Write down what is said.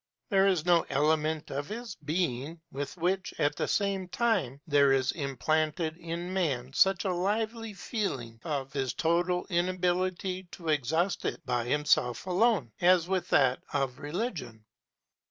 There is no element of his being with which, at the same time, there is implanted in man such a lively feeling of his total inability to exhaust it by himself alone, as with that of religion.